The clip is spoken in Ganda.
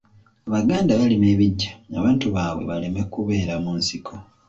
Abaganda balima ebiggya abantu baabwe baleme kubeera mu nsiko.